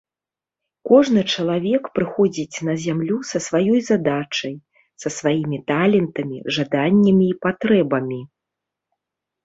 Кожны чалавек прыходзіць на зямлю са сваёй задачай, са сваімі талентамі, жаданнямі і патрэбамі.